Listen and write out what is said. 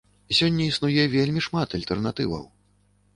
Сёння існуе вельмі шмат альтэрнатываў.